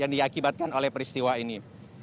yang diakibatkan oleh peristiwa ini